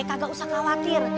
kagak usah khawatir